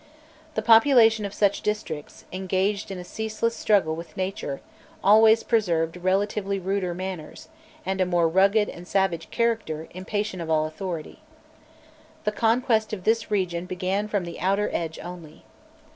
The population of such districts, engaged in a ceaseless struggle with nature, always preserved relatively ruder manners, and a more rugged and savage character, impatient of all authority. The conquest of this region began from the outer edge only.